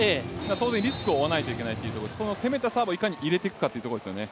当然リスクを負わなきゃいけないというその攻めたサーブをいかに入れていくかというところですね。